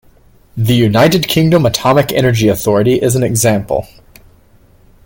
The United Kingdom Atomic Energy Authority is an example.